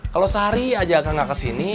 kalau sehari aja kak gak kesini